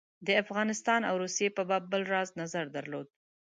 د افغانستان او روسیې په باب بل راز نظر درلود.